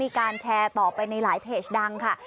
การแชร์ต่อไปในหลายเพจดังค่ะ